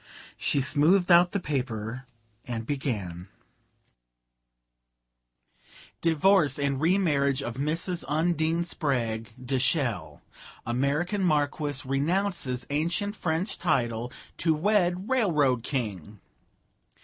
She smoothed out the paper and began: "'Divorce and remarriage of Mrs. Undine Spragg de Chelles. American Marquise renounces ancient French title to wed Railroad King.